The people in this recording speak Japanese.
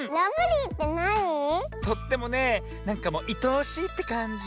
とってもねなんかもういとおしいってかんじ。